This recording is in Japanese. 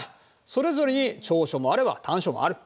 それぞれに長所もあれば短所もある。